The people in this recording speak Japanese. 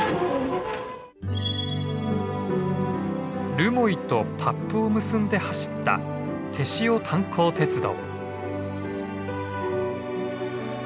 留萌と達布を結んで走った天塩炭礦鉄道。